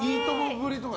ぶりとか？